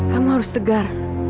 kamu harus tegar